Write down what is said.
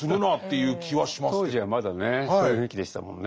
当時はまだねそういう雰囲気でしたもんね。